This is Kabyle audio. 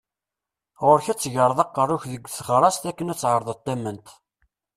Ɣur-k ad tegreḍ aqerru-k deg teɣrast akken ad tεerḍeḍ tament.